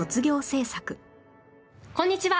こんにちは。